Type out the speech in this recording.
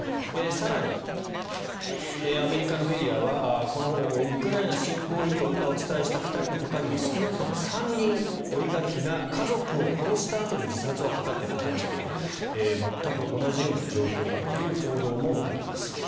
更に、アメリカのメディアはこのウクライナ侵攻以降今お伝えした２人のほかにも少なくとも３人オリガルヒが家族が殺したあとに自殺を図って亡くなっていると全く同じような状況だという報道もあります。